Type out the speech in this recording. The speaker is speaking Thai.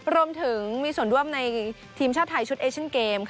รวมถึงมีส่วนร่วมในทีมชาติไทยชุดเอเชียนเกม